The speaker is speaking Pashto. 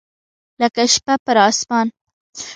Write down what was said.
لکه شپه پر اسمان